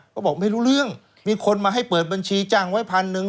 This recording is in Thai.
ก็บอกไม่รู้เรื่องมีคนมาให้เปิดบัญชีจ้างไว้พันหนึ่ง